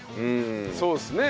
そうですね。